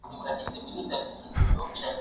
چي کله به کړي بنده کورونا په کرنتین کي